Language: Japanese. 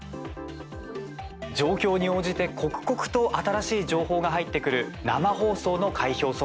状況に応じて刻々と新しい情報が入ってくる生放送の開票速報。